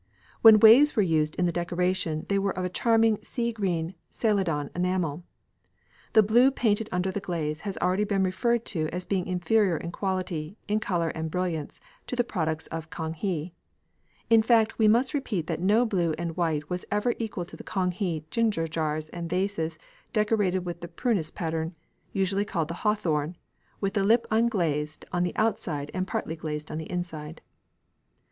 When waves were used in the decoration they were of a charming sea green Celadon enamel. The blue painted under the glaze has already been referred to as being inferior in quality, in colour and brilliance to the products of Kang he. In fact, we must repeat that no blue and white was ever equal to the Kang he ginger jars and vases decorated with the prunus pattern, usually called the hawthorn, with the lip unglazed on the outside and partly glazed on the inside.